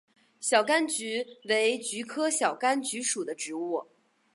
小甘菊为菊科小甘菊属的植物。